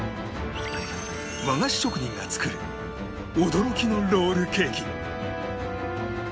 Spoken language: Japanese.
和菓子職人が作る驚きのロールケーキ